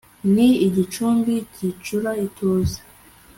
ni igicumbi gicura ituze